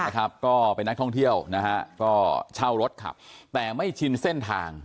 ก็เป็นนักท่องเที่ยวนะฮะก็เช่ารถขับแต่ไม่ชินเส้นทาง